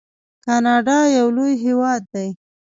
کاناډا یو لوی هیواد دی.